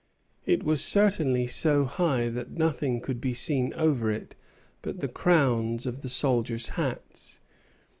It was certainly so high that nothing could be seen over it but the crowns of the soldiers' hats.